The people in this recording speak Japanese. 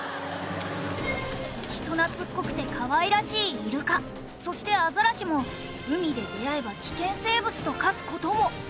人懐っこくてかわいらしいイルカそしてアザラシも海で出会えば危険生物と化す事も。